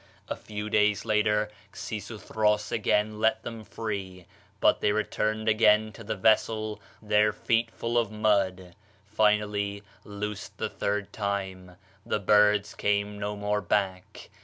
A few days later Xisuthros again let them free, but they returned again to the vessel, their feet full of mud. Finally, loosed the third time, the birds came no more back.